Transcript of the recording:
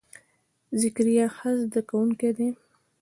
ذکریا ښه زده کونکی دی.